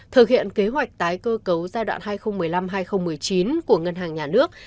thực hiện kế hoạch tái cơ cấu giai đoạn hai nghìn một mươi năm hai nghìn một mươi chín của ngân hàng nhà nước